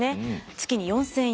月に４，０００円。